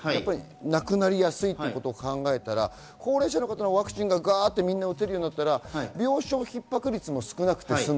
なくなりやすいということを考えたら、高齢者の方のワクチンが打てるようになったら病床逼迫率も少なくて済む。